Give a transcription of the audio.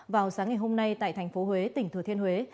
vào sáng ngày hôm nay tại thành phố huế tỉnh thừa thiên huế